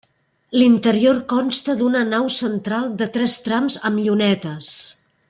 L'interior consta d'una nau central de tres trams amb llunetes.